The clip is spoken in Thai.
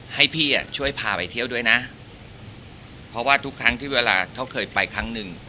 ให้พี่อ่ะช่วยพาไปเที่ยวด้วยนะเพราะว่าทุกครั้งที่เวลาเขาเคยไปครั้งหนึ่ง